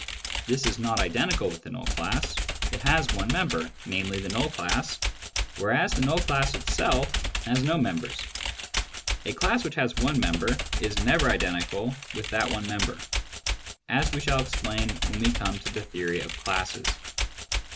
(This is not identical with the null class : it has one member, namely, the null class, whereas the null class itself has no members. A class which has one member is never identical with that one member, as we shall explain when we come to the theory of classes.)